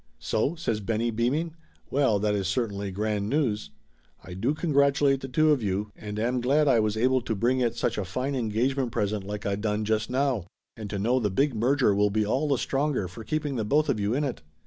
"So?" says Benny, beaming. "Well, that is cer tainly grand news. I do congratulate the two of you, and am glad I was able to bring it such a fine engage ment present like I done just now, and to know the big merger will be all the stronger for keeping the both of you in it